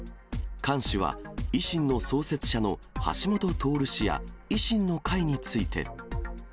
菅氏は維新の創設者の橋下徹氏や維新の会について。